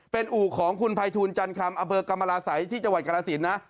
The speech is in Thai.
เป็นอู่ของคุณภัยทูลจันคำอำเภอกรรมราศัยที่จังหวัดกรสินนะ